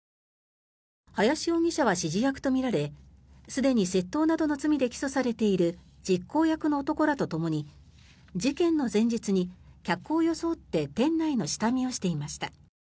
林容疑者は指示役とみられすでに窃盗などの罪で起訴されている実行役の男らとともに事件の前日に、客を装って店内の下見をしていました。